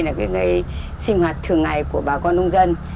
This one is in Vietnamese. là cái sinh hoạt thường ngày của bà con nông dân